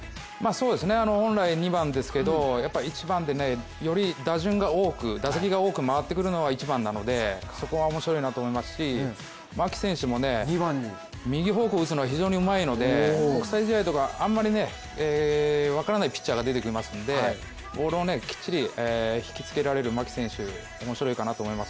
本来２番ですけど、１番でより打順が多く、打席が多く回ってくるのは１番なので、そこはおもしろいかなと思いますし牧選手も右方向打つのが非常にうまいので、国際試合とかあまり分からないピッチャーが出てきますのでボールをきっちり引きつけられる牧選手、面白いかなって思います。